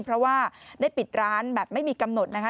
เพราะว่าได้ปิดร้านแบบไม่มีกำหนดนะคะ